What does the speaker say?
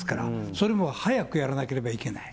それも早くやらなきゃいけない。